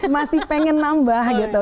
masih pengen nambah gitu